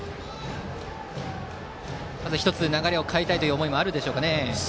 まず１つ流れを変えたい思いもあるでしょうか。